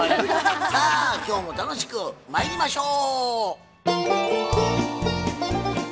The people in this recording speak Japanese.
さあ今日も楽しくまいりましょう！